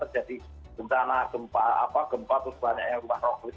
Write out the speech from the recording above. jadi ini saat saat ini mengapa terjadi gempa atau sebanyaknya yang berubah roklit